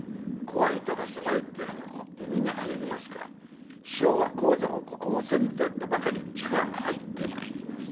怖いとかすごいっていうのが耳に入りますから師匠は高座をここを先途とばかり力が入ってまいります。